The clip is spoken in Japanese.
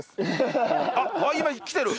あっ今来てる！